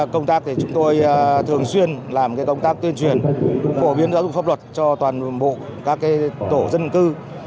công tác thì chúng tôi thường xuyên làm công tác tuyên truyền phổ biến giáo dục pháp luật cho toàn bộ các tổ dân cư